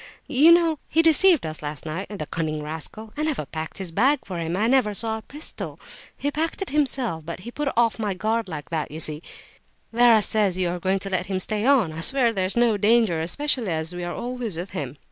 You know he deceived us last night, the cunning rascal. I never packed his bag for him, and I never saw his pistol. He packed it himself. But he put me off my guard like that, you see. Vera says you are going to let him stay on; I swear there's no danger, especially as we are always with him."